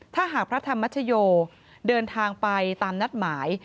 ถ้าหากพระธรรมชโยเดินทางไปตามนัดหมาย